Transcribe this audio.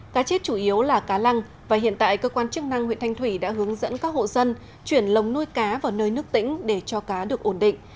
cá chết chủ yếu là cá lăng và hiện tại cơ quan chức năng huyện thanh thủy đã hướng dẫn các hộ dân chuyển lồng nuôi cá vào nơi nước tỉnh để cho cá được ổn định